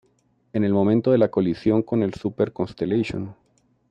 En el momento de la colisión con el Super Constellation.